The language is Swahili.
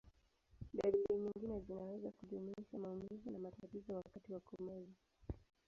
Dalili nyingine zinaweza kujumuisha maumivu na matatizo wakati wa kumeza.